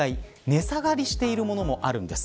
値下がりしているものもあるんです。